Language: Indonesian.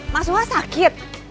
mas wah sakit